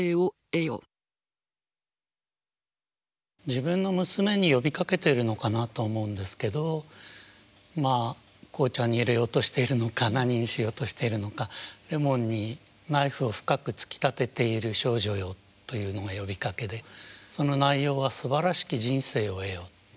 自分の娘に呼びかけてるのかなと思うんですけどまあ紅茶に入れようとしてるのか何にしようとしてるのか「レモンにナイフを深く突き立てている少女よ」というのが呼びかけでその内容は「素晴らしき人生を得よ」。